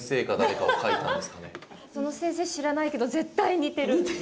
その先生知らないけど絶対似てる。